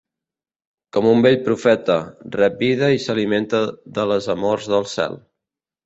Com un vell profeta, rep vida i s'alimenta de les amors del cel.